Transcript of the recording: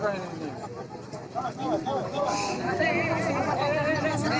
bawa ke posen